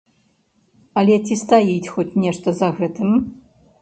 Але ці стаіць хоць нешта за гэтым?